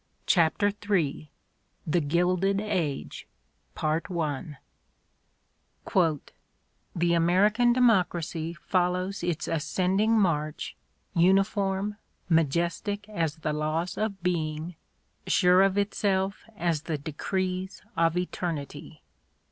CHAPTER III THE GIIJ)ED AGE "The American democracy follows its ascending march, uni form, majestic as the laws of being, sure of itself as the decrees of eternity."